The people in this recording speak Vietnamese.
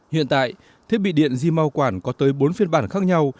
hiện tại thiết bị điện g mau quản có tới bốn phiên bản khác nhau